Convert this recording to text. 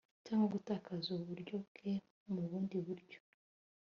cyangwa gutakaza uburyo bwe mubundi buryo